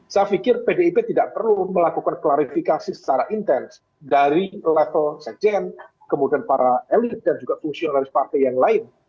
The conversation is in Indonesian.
saya pikir pdip tidak perlu melakukan klarifikasi secara intens dari level sekjen kemudian para elit dan juga fungsionalis partai yang lain